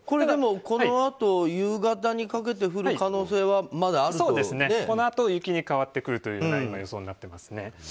でも、このあと夕方にかけて降る可能性はこのあと雪に変わってくるという予想になっていますね。